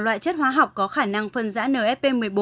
loại chất hóa học có khả năng phân giã nfp một mươi bốn